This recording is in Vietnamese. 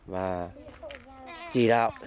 và chỉ đạo